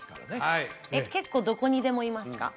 はい結構どこにでもいますか？